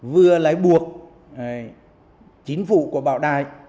vừa là để buộc chính phủ của bảo đại